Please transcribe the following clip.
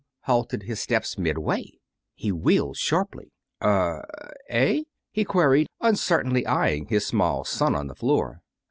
halted his steps midway. He wheeled sharply. "Er eh?" he queried, uncertainly eyeing his small son on the floor.